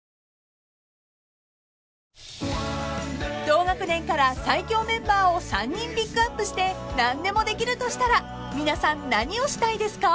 ［同学年から最強メンバーを３人ピックアップして何でもできるとしたら皆さん何をしたいですか？］